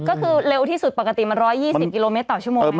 ก็คือเร็วที่สุดปกติมัน๑๒๐กิโลเมตรต่อชั่วโมง